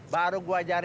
baru gue ajarin